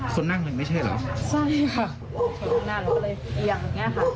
ถึงคนนั่งเราก็เลยเอียงอย่างนี้ค่ะ